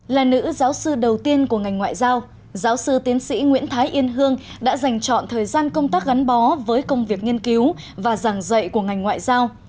là nữ giáo sư đầu tiên của ngành ngoại giao giáo sư tiến sĩ nguyễn thái yên hương đã dành chọn thời gian công tác gắn bó với công việc nghiên cứu và giảng dạy của ngành ngoại giao